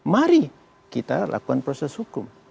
mari kita lakukan proses hukum